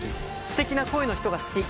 「すてきな声の人が好き」。